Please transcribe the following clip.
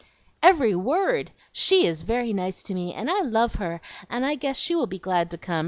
"Every word! SHE is very nice to me, and I love her, and I guess she will be glad to come.